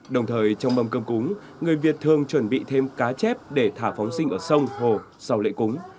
đồng thời trong mâm cơm cúng người việt thường chuẩn bị thêm cá chép để thả phóng sinh ở sông hồ sau lễ cúng